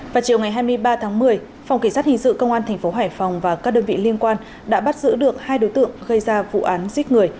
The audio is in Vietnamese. vào chiều ngày hai mươi ba tháng một mươi phòng kỳ sát hình sự công an tp hải phòng và các đơn vị liên quan đã bắt giữ được hai đối tượng gây ra vụ án giết người